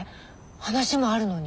話もあるのに。